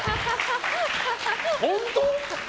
本当？